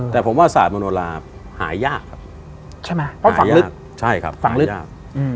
แต่ผมว่าศาสตร์มโนลาหายยากครับใช่ไหมหายยากใช่ครับฝังลึกอืม